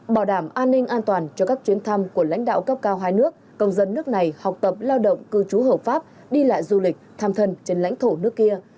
bảo đảm an ninh an toàn cho các chuyến thăm của lãnh đạo cấp cao hai nước công dân nước này học tập lao động cư trú hợp pháp đi lại du lịch thăm thân trên lãnh thổ nước kia